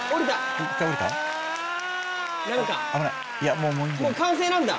もう完成なんだ。